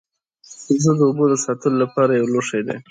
کوزه د اوبو د ساتلو لپاره یو لوښی دی